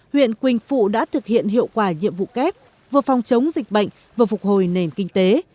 huyện quỳnh phụ đã thực hiện hiệu quả nhiệm vụ kép vừa phòng chống dịch bệnh vừa phục hồi nền kinh tế